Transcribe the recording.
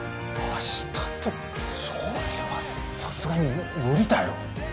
あしたってそれはさすがに無理だよ。